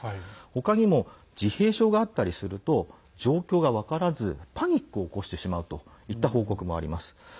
他にも自閉症があったりすると状況が分からずパニックを起こしてしまうといった報告もあります。